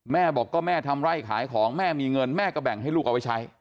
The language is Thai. แม่บอกก็แม่ทำไร่ขายของแม่มีเงินแม่ก็แบ่งให้ลูกเอาไว้ใช้